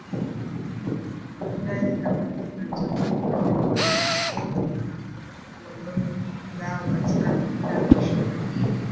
nane themanini na tano hivi Wajerumani walianza kuunda koloni lao katika Afrika ya Mashariki